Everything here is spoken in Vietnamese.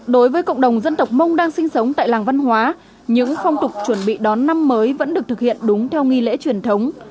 đối với cộng đồng dân tộc mông đang sinh sống tại làng văn hóa những phong tục chuẩn bị đón năm mới vẫn được thực hiện đúng theo nghi lễ truyền thống